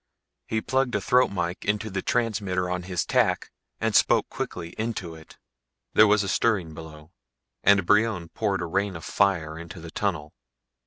He plugged a throat mike into the transmitter on his tack and spoke quickly into it. There was a stirring below and Brion poured a rain of fire into the tunnel.